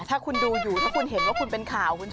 ถ้าคุณดูอยู่ถ้าคุณเห็นว่าคุณเป็นข่าวคุณ